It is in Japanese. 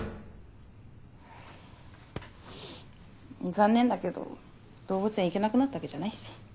残念だけど動物園行けなくなったわけじゃないし。